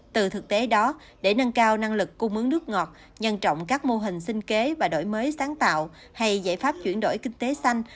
từ thực tế đó để nâng cao năng lực cung mướt ngọt nhân trọng các mô hình sinh kế và đổi mới sáng tạo hay giải pháp chuyển đổi kinh tế xanh